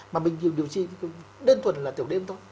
mà mình thường điều trị đơn thuần là tiểu đêm thôi